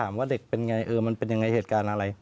มันเป็นอย่างไรมันเป็นเหตุการณ์อะไร